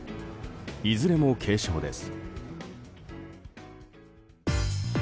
いずれも軽傷です。